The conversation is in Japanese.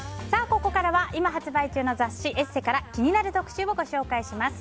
ここからは今発売中の雑誌「ＥＳＳＥ」から気になる特集をご紹介します。